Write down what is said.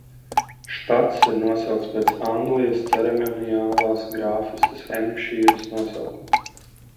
Štats ir nosaukts pēc Anglijas ceremoniālās grāfistes Hempšīras nosaukuma.